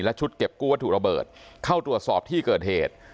ชุดเก็บกู้วัตถุระเบิดเข้าตรวจสอบที่เกิดเหตุ